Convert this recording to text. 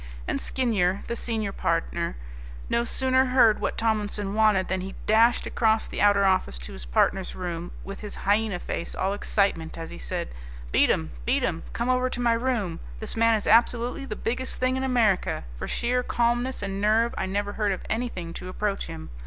And Skinyer, the senior partner, no sooner heard what Tomlinson wanted than he dashed across the outer office to his partner's room with his hyena face all excitement as he said: "Beatem, Beatem, come over to my room. This man is absolutely the biggest thing in America. For sheer calmness and nerve I never heard of anything to approach him.